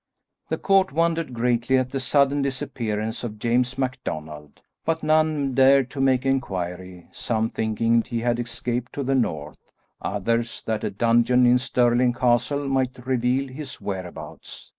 The court wondered greatly at the sudden disappearance of James MacDonald, but none dared to make inquiry, some thinking he had escaped to the north, others, that a dungeon in Stirling Castle might reveal his whereabouts.